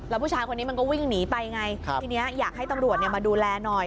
แล้วผู้ชายคนนี้มันก็วิ่งหนีไปไงทีนี้อยากให้ตำรวจมาดูแลหน่อย